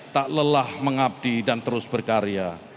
tak lelah mengabdi dan terus berkarya